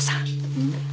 うん？